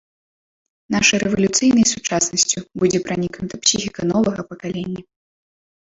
Нашай рэвалюцыйнай сучаснасцю будзе пранікнута псіхіка новага пакалення.